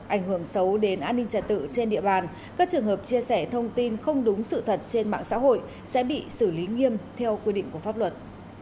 ảnh hưởng xấu đến an ninh trả tự trên địa bàn các trường hợp chia sẻ thông tin không đúng sự thật trên mạng xã hội sẽ bị xử lý nghiêm theo quy định của pháp luật